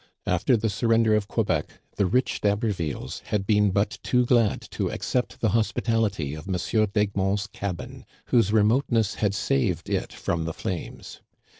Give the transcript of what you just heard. After the surrender of Quebec, the rich D'Habervilles had been but too glad to accept the hos pitality of M. d'Egmont's cabin, whose remoteness had saved it from the flames.